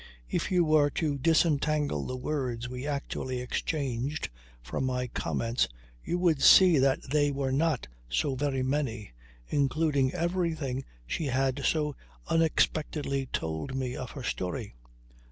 If you were to disentangle the words we actually exchanged from my comments you would see that they were not so very many, including everything she had so unexpectedly told me of her story.